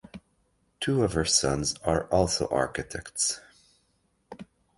Two of her sons are also architects.